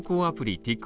アプリ